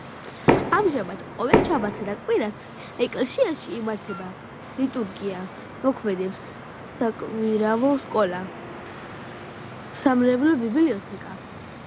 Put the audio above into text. ამჟამად ყოველ შაბათსა და კვირას ეკლესიაში იმართება ლიტურგია, მოქმედებს საკვირაო სკოლა, სამრევლო ბიბლიოთეკა.